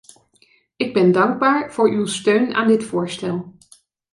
Ik ben dankbaar voor uw steun aan dit voorstel.